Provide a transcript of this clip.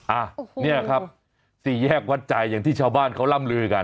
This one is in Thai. อ่ะเนี่ยครับสี่แยกวัดใจอย่างที่ชาวบ้านเขาร่ำลือกัน